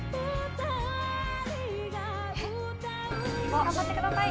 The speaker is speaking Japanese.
えっ？頑張ってください！